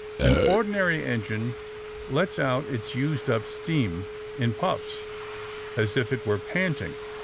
An ordinary engine lets out its used up steam in puffs, as if it were panting.